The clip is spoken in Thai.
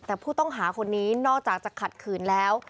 แต่ผู้ต้องหาคนนี้นอกจากจะขัดขืนแล้ว